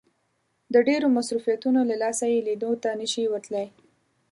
د ډېرو مصروفيتونو له لاسه يې ليدو ته نه شي ورتلای.